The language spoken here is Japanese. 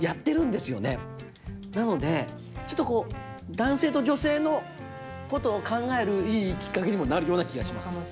なのでちょっとこう男性と女性のことを考えるいいきっかけにもなるような気がします。